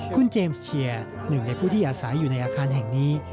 คุณเจมส์เชียร์หนึ่งในผู้ที่อาศัยอยู่ในอาคารแห่งนี้